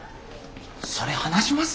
それ話します？